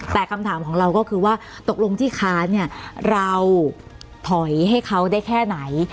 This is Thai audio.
แต่คำถามของเราก็คือว่าตกลงที่ค้านเนี่ยเราถอยให้เขาได้แค่ไหน